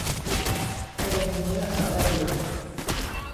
ไม่ได้มีเนื้อหาอะไรอยู่